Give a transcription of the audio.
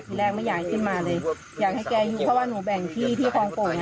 ไม่แรกไม่อยากให้ขึ้นมาเลยอยากให้แกอยู่เพราะว่าหนูแบ่งที่ที่คลองโป่ง